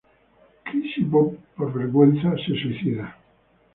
Crisipo, por vergüenza, se suicida.